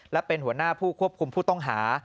และเป็นหัวหน้าผู้ควบคุมผู้ต้องหา